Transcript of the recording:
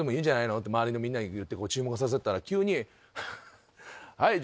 って周りのみんなに言って注目させてたら急に。